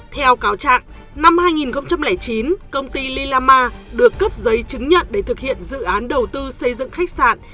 theo cáo trạng năm hai nghìn chín công ty lila ma được cấp giấy chứng nhận để thực hiện dự án đầu tư xây dựng khách sạn